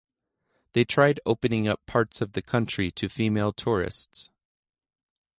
They tried opening up parts of the country to female tourists.